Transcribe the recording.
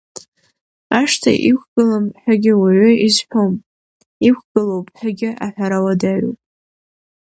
Ашҭа иқәгылам ҳәагьы уаҩы изҳәом, иқәгылоуп ҳәагьы аҳәара уадаҩуп.